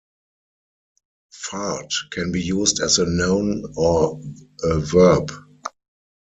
"Fart" can be used as a noun or a verb.